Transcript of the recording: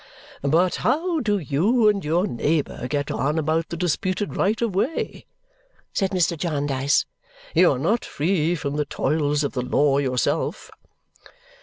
"But how do you and your neighbour get on about the disputed right of way?" said Mr. Jarndyce. "You are not free from the toils of the law yourself!"